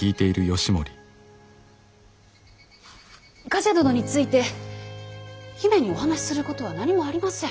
冠者殿について姫にお話しすることは何もありません。